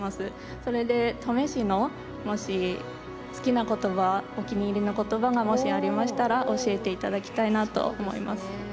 それで登米市の好きなことばお気に入りのことばがもしありましたら教えていただきたいなと思います。